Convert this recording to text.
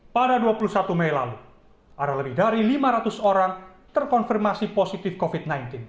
pada dua puluh satu mei lalu ada lebih dari lima ratus orang terkonfirmasi positif covid sembilan belas